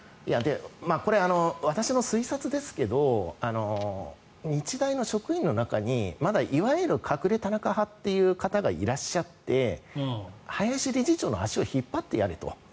これ、私の推察ですけど日大の職員の中にいわゆる隠れ田中派という方がいらっしゃって、林理事長の足を引っ張ってやれと。